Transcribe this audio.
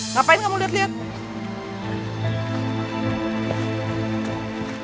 ngapain kamu liat liat